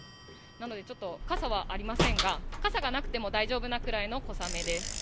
なので傘はありませんが傘がなくても大丈夫なくらいの小雨です。